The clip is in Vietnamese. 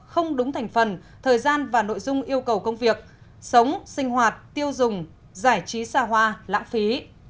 không đúng thành phần thời gian và nội dung yêu cầu công việc sống sinh hoạt tiêu dùng giải trí xa hoa lãng phí